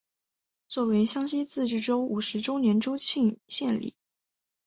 作为湘西自治州五十周年州庆献礼。